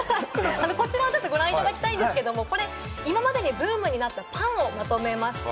こちらご覧いただきたいんですが、今までにブームになったパンをまとめました。